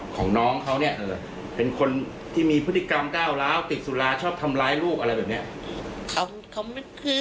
ของน้องเขาเนี่ยเป็นคนที่มีพฤติกรรมก้าวร้าวติดสุราชอบทำร้ายลูกอะไรแบบนี้